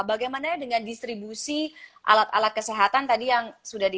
bagaimana dengan distribusi alat alat kesehatan tadi yang sudah di